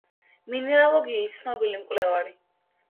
მინერალოგიის ცნობილი მკვლევარი.